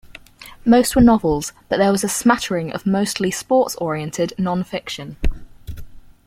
Most were novels, but there was a smattering of mostly sports-oriented nonfiction.